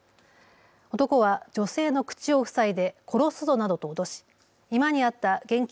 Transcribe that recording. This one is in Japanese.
男は女性の口を塞いで殺すぞなどと脅し、居間にあった現金